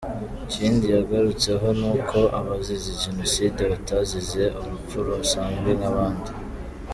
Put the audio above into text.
Ikindi yagarutseho ni uko abazize jenoside batazize urupfu rusanzwe nk’abandi.